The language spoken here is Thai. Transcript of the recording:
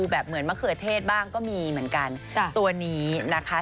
แบบเหมือนมะเขือเทศบ้างก็มีเหมือนกันตัวนี้นะคะ